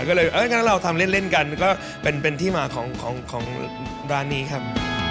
ก็เลยงั้นเราทำเล่นกันก็เป็นที่มาของร้านนี้ครับ